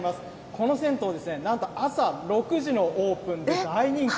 この銭湯、なんと、朝６時のオープンで大人気。